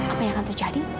apa yang akan terjadi